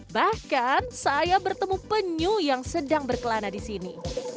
bahkan saya bertemu penyu yang sedang berkelana disini